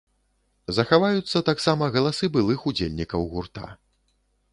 Захаваюцца таксама галасы былых удзельнікаў гурта.